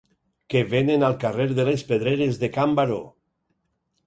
Què venen al carrer de les Pedreres de Can Baró